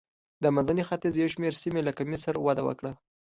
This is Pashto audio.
د منځني ختیځ یو شمېر سیمې لکه مصر وده وکړه.